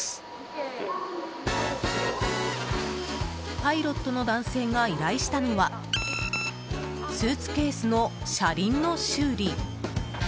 パイロットの男性が依頼したのはスーツケースの車輪の修理。